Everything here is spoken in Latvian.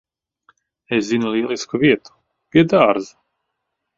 Es zinu lielisku vietu. Pie dārza.